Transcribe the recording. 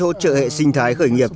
hỗ trợ hệ sinh thái khởi nghiệp